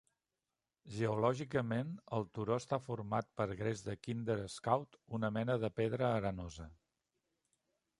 Geològicament, el turó està format per gres de Kinder Scout, una mena de pedra arenosa.